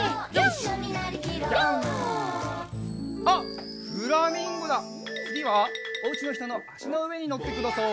あっフラミンゴだ！